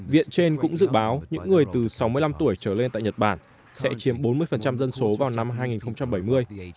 viện trên cũng dự báo những người từ sáu mươi năm tuổi trở lên tại nhật bản sẽ chiếm bốn mươi dân số vào năm hai nghìn bảy mươi